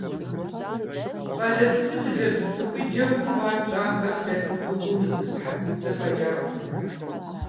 ЩӀалэ цӀыкӀуи хъыджэбз цӀыкӀуи, джэгуу хъуар пщӀантӀэм дэт выгум итӀысхьэрт, зы фӀэкӀа къэмынэу.